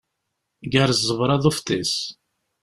Gar ẓẓebra d ufḍis.